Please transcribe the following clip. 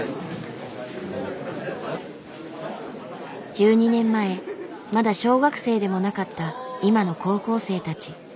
１２年前まだ小学生でもなかった今の高校生たち。